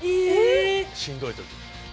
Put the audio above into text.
しんどい時に。